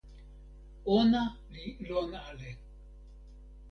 ona li lon ale.